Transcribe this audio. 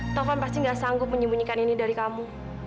taufan pasti gak sanggup menyembunyikan ini dari kamu